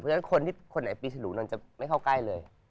เพราะฉะนั้นคนไหนปีชลุนั้นจะไม่เข้าใกล้เลย